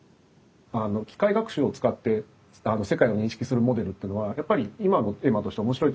あの機械学習を使って世界を認識するモデルっていうのはやっぱり今のテーマとして面白いと思うんですね。